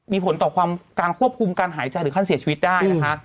มีผลต่อความการควบคุมการหายใจหรือขั้นเสียชีวิตได้นะคะ